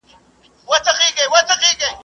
چي ژوندى يم همېشه به مي دا كار وي !.